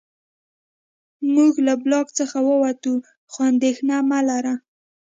موږ له بلاک څخه ووتو خو اندېښنه مې لرله